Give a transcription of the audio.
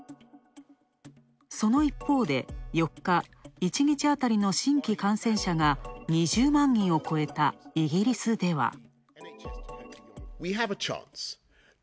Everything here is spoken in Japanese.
その一方で、４日、１日あたりの新規感染者が２０万人を超えたイギリスでは。